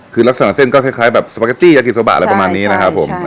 คือลักษณะเส้นก็คล้ายคล้ายแบบสปาเกตตี้ยักษ์กี่สักบาทอะไรประมาณนี้นะครับผมใช่ใช่